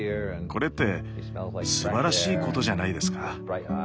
これってすばらしいことじゃないですか。